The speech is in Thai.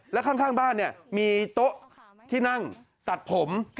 แล้วข้างบ้านมีโต๊ะที่นั่งตัดผม